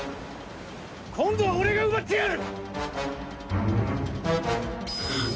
今度は俺が奪ってやる！